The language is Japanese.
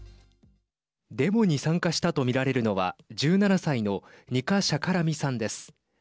デモに参加したと見られるのは１７歳のニカ・シャカラミさんです。